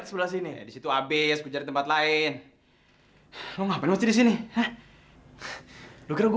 bisa bisa emang kamu yang temenin aku